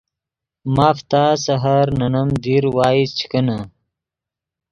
ماف تا سحر نے نیم دیر وائس چے کینے